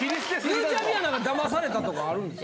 ゆうちゃみは何か騙されたとかあるんですか？